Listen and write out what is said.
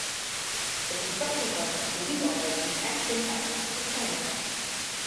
The construction funds will be borrowed from the Exim Bank of China.